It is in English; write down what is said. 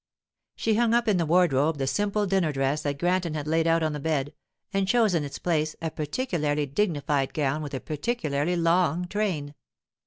She hung up in the wardrobe the simple dinner dress that Granton had laid out on the bed, and chose in its place a particularly dignified gown with a particularly long train.